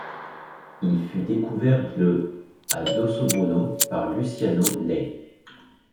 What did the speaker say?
Il fut découvert le à Dossobuono par Luciano Lai.